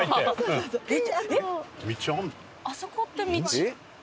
あそこって道。